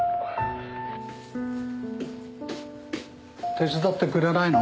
手伝ってくれないの？